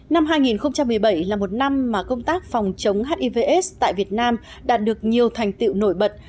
năm hai nghìn một mươi bảy là một năm mà công tác phòng chống hiv aids tại việt nam đạt được nhiều thành tiệu nổi bật